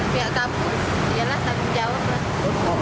pihak kampus iyalah jauh